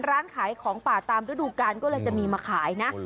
ร้านขายของป่าตามฤดูกาลก็เลยจะมีมาขายนะ